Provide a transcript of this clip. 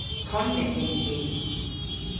Konnyk yns i.